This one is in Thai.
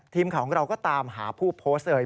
ทีมของเราก็ตามหาผู้โพสต์